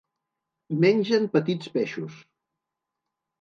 Mengen petits peixos.